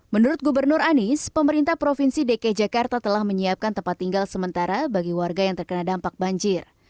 menurut gubernur anies pemerintah provinsi dki jakarta telah menyiapkan tempat tinggal sementara bagi warga yang terkena dampak banjir